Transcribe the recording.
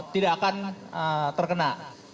tidak akan terkena